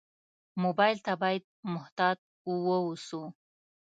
موبایل ته باید محتاط ووسو.